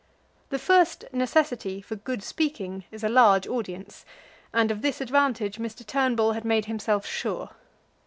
The first necessity for good speaking is a large audience; and of this advantage Mr. Turnbull had made himself sure.